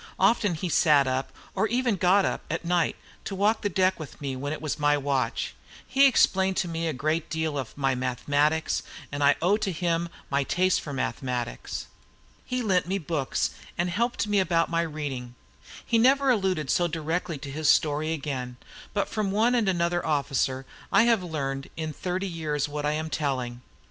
Often he sat up, or even got up, at night, to walk the deck with me, when it was my watch. He explained to me a great deal of my mathematics, and I owe to him my taste for mathematics. He lent me books, and helped me about my reading. He never alluded so directly to his story again; but from one and another officer I have learned, in thirty years, what I am telling.